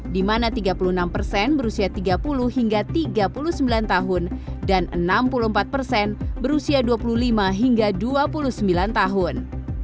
di mana tiga puluh enam persen berusia tiga puluh hingga tiga puluh sembilan tahun dan enam puluh empat persen berusia dua puluh lima hingga dua puluh sembilan tahun